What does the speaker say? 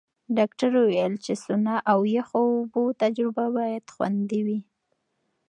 ډاکټره وویل چې سونا او یخو اوبو تجربه باید خوندي وي.